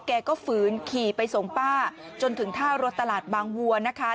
แกก็ฝืนขี่ไปส่งป้าจนถึงท่ารถตลาดบางวัวนะคะ